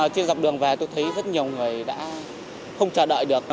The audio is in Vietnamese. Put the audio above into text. trên dọc đường về tôi thấy rất nhiều người đã không chờ đợi được